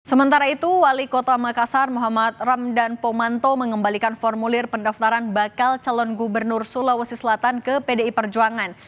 sementara itu wali kota makassar muhammad ramdan pomanto mengembalikan formulir pendaftaran bakal calon gubernur sulawesi selatan ke pdi perjuangan